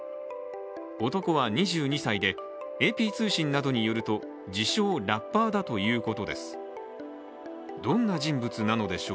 男は２２歳で、ＡＰ通信などによると自称ラッパーだということです。